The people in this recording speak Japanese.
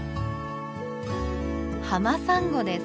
ハマサンゴです。